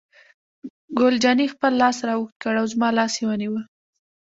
ګل جانې خپل لاس را اوږد کړ او زما لاس یې ونیو.